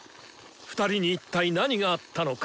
２人に一体何があったのか！